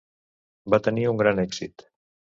Va tenir un gran èxit.